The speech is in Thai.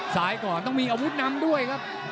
ก่อนต้องมีอาวุธนำด้วยครับ